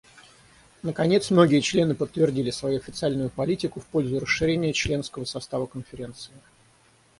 Наконец, многие члены подтвердили свою официальную политику в пользу расширения членского состава Конференции.